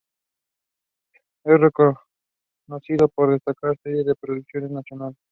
Es reconocido por destacar series de producciones nacionales.